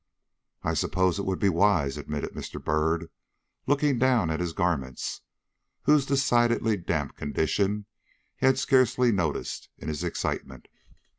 "I suppose it would be wise," admitted Mr. Byrd, looking down at his garments, whose decidedly damp condition he had scarcely noticed in his excitement.